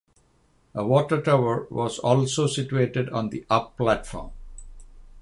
A water tower was also situated on the up platform.